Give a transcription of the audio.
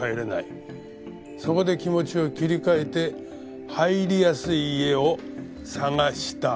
そこで気持ちを切り替えて入りやすい家を探した。